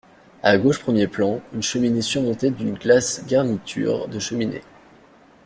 À gauche premier plan, une cheminée surmontée d’une glace garniture de cheminée .